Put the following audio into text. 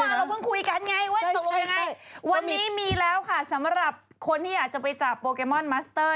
เราเพิ่งคุยกันไงว่าตกลงยังไงวันนี้มีแล้วค่ะสำหรับคนที่อยากจะไปจับโปเกมอนมัสเตอร์